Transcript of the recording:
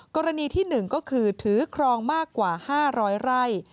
กรณีที่หนึ่งก็คือถือครองมากกว่าห้าร้อยไร่